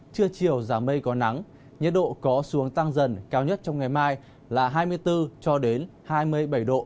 trưa chiều giảm mây có nắng nhiệt độ có xuống tăng dần cao nhất trong ngày mai là hai mươi bốn cho đến hai mươi bảy độ